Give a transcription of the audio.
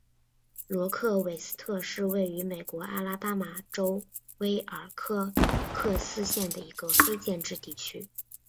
罗克韦斯特是位于美国阿拉巴马州威尔科克斯县的一个非建制地区。